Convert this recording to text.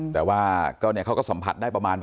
แต่ว่าเขาก็สัมผัสได้ประมาณ